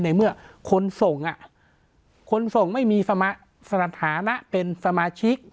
ในเมื่อคนส่งคนส่งไม่มีสถานะเป็นสมาชิก